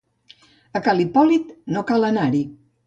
A ca l'Hipòlit no cal anar-hi.